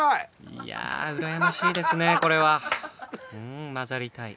いやあうらやましいですねこれは。うん交ざりたい。